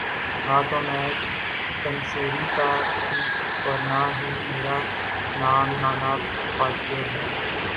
نہ تو میں تنوشری دتہ ہوں اور نہ ہی میرا نام نانا پاٹیکر ہے